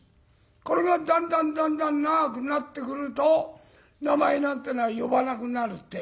これがだんだんだんだん長くなってくると名前なんてのは呼ばなくなるっていいますな。